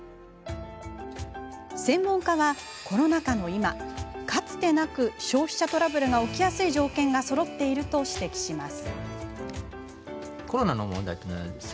専門家は、コロナ禍の今かつてなく消費者トラブルが起きやすい条件がそろっていると指摘します。